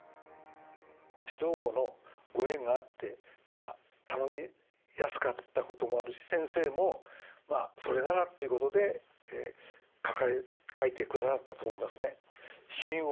指導碁のご縁があって頼みやすかったこともあるし先生もそれならっていうことで書いて下さったと思いますね。